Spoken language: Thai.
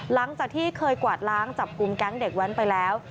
หลังจากที่เคยกวาดล้างจับกลุ่มแก๊งเด็กแว้นไปแล้ว